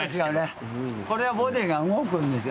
これはボディーが動くんですよ。